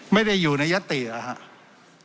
ไม่ได้อยู่ในยัตติเหรอครับ